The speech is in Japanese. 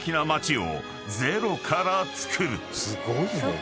すごいね。